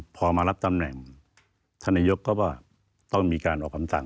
พอมารับตำแหน่งท่านนายกก็ว่าต้องมีการออกคำสั่ง